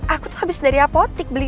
aku tuh habis dari apotik beli